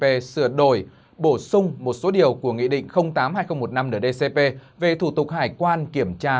được sửa đổi bổ sung một số điều của nghị định tám hai nghìn một mươi năm nửa dcp về thủ tục hải quan kiểm tra